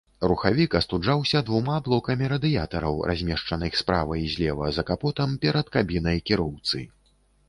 Рухавік астуджаўся двума блокамі радыятараў, размешчаных справа і злева за капотам перад кабінай кіроўцы.